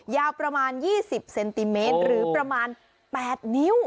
ยาวประมาณ๒๐เซนติเมตรหรือประมาณ๘นิ้ว